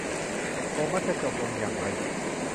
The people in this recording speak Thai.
โทมัสจะจบลงอย่างไร ?